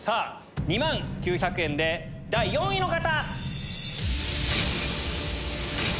２万９００円で第４位の方！